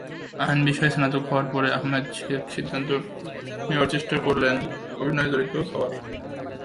আইন বিষয়ে স্নাতক হওয়ার পরে আহমেদ-শেখ সিদ্ধান্ত নেওয়ার চেষ্টা করলেন অভিনয়ে জড়িত হওয়ার।